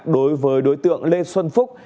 đối với đối tượng lê xuân phúc